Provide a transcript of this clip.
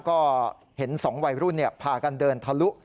ก็เห็น๒วัยรุ่นพากันเดินทะลุ